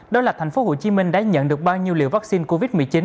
đó là thành phố hồ chí minh đã nhận được bao nhiêu liệu vaccine covid một mươi chín